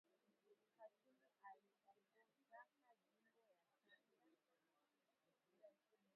Katumbi aliongozaka jimbo ya katanga vizuri